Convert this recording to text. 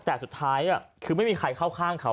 แต่สุดท้ายคือไม่มีใครเข้าข้างเขา